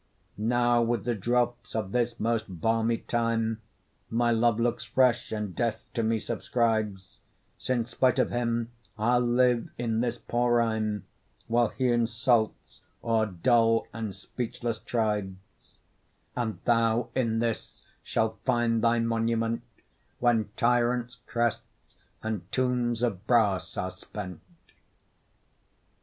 Now with the drops of this most balmy time, My love looks fresh, and Death to me subscribes, Since, spite of him, I'll live in this poor rime, While he insults o'er dull and speechless tribes: And thou in this shalt find thy monument, When tyrants' crests and tombs of brass are spent.